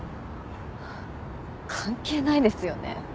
関係ないですよね。